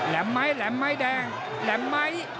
ไม้แหลมไม้แดงแหลมไม้